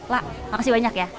lak makasih banyak ya